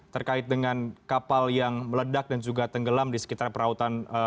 terkait dengan kapal yang meledak dan juga tenggelam di sekitar perahutan